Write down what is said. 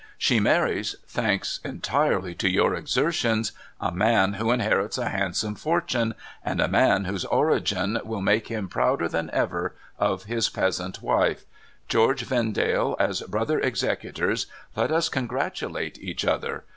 She marries — thanks entirely to your exertions — a man who inherits a handsome fortune, and a man whose origin will make him prouder than ever of his peasant wife, George Vendale, as brother executors, let us con gratulate each other